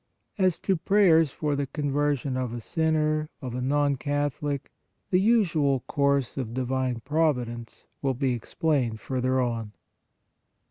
As to prayers for the conversion of a sinner, of a non Catholic, the usual course of divine Provi dence will be explained further on.